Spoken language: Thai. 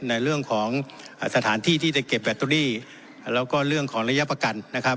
ในเรื่องของสถานที่ที่จะเก็บแบตเตอรี่แล้วก็เรื่องของระยะประกันนะครับ